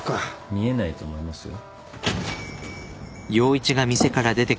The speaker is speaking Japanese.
見えないと思いますよ。